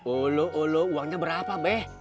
oloh oloh uangnya berapa beh